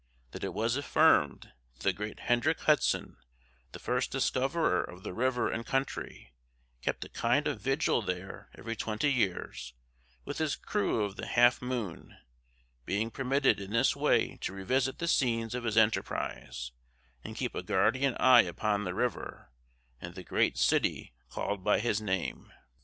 That it was affirmed that the great Hendrick Hudson, the first discoverer of the river and country, kept a kind of vigil there every twenty years, with his crew of the Half moon; being permitted in this way to revisit the scenes of his enterprise, and keep a guardian eye upon the river and the great city called by his name.